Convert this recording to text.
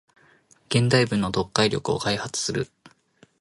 現代文の読解力を開発する